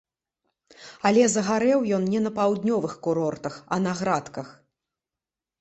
Але загарэў ён не на паўднёвых курортах, а на градках!